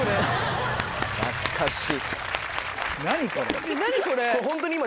懐かしい。